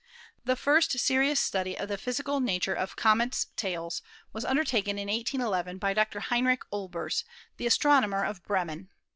The first serious study of the physical nature of comets' tails was undertaken in 1811 by Dr. Heinrich Olbers, the astronomer of Bremen.